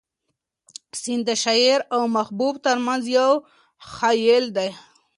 سیند د شاعر او محبوب تر منځ یو حایل دی.